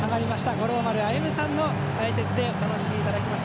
五郎丸歩さんの解説でお楽しみいただきました。